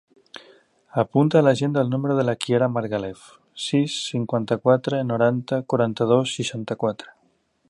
Apunta a l'agenda el número de la Kiara Margalef: sis, cinquanta-quatre, noranta, quaranta-dos, seixanta-quatre.